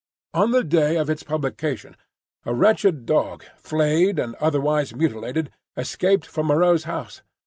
On the day of its publication a wretched dog, flayed and otherwise mutilated, escaped from Moreau's house.